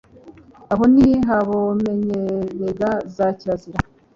aho ni hobamenyeraga za kirazira